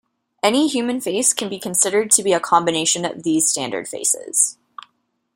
Any human face can be considered to be a combination of these standard faces.